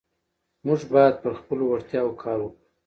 موږ باید پر خپلو وړتیاوو کار وکړو